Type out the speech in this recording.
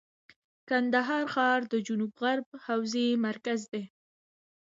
کندهار ښار د جنوب غرب حوزې مرکز دی.